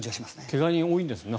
怪我人が多いんですね。